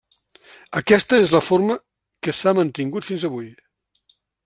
Aquesta és la forma que s'ha mantingut fins avui.